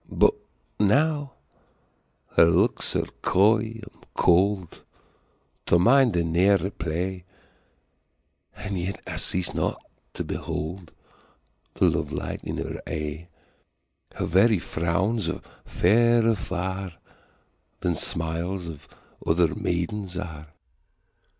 But now her looks are coy and cold, To mine they ne'er reply, And yet I cease not to behold The love light in her eye: 10 Her very frowns are fairer far Than smiles of other maidens are.